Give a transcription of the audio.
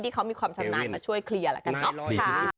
ที่เขามีความชำนาญมาช่วยเคลียร์แล้วกันเนาะ